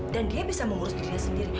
dan dia bisa mengurus dirinya sendiri